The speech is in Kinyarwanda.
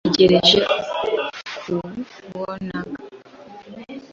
Ntegereje kubonag.